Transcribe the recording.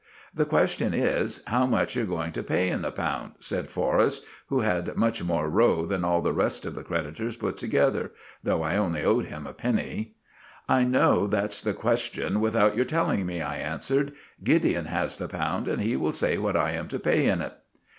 "The question is, how much you're going to pay in the pound," said Forrest, who had made more row than all the rest of the creditors put together, though I only owed him a penny. "I know that's the question without your telling me," I answered. "Gideon has the pound, and he will say what I am to pay in it."